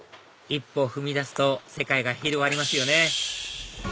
一歩踏み出すと世界が広がりますよね